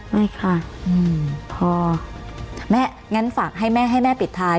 ไม่ค่ะพอแม่งั้นฝากให้แม่ให้แม่ปิดท้าย